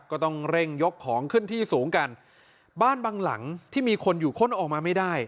ก็ต้องเร่งยกของขึ้นที่สูงกันบ้านบางหลังที่มีคนอยู่ค้นออกมาไม่ได้